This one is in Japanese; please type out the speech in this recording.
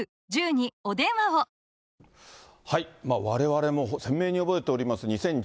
われわれも鮮明に覚えております